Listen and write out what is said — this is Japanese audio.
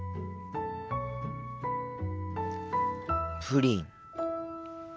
プリン。